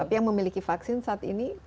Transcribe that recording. tapi yang memiliki vaksin saat ini